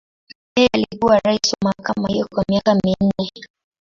Yeye alikuwa rais wa mahakama hiyo kwa miaka minne.